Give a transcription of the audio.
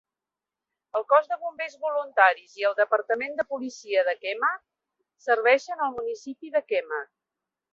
El cos de bombers voluntaris i el departament de policia de Kemah serveixen el municipi de Kemah.